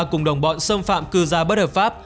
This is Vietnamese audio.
cùng đồng bọn xâm phạm cư gia bất hợp pháp